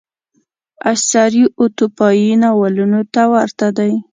اثر یې اتوپیایي ناولونو ته ورته دی.